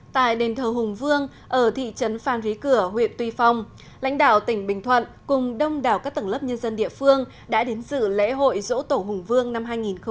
tại đền thờ hùng vương ở thị trấn phan rí cửa huyện tuy phong lãnh đạo tỉnh bình thuận cùng đông đảo các tầng lớp nhân dân địa phương đã đến dự lễ hội dỗ tổ hùng vương năm hai nghìn hai mươi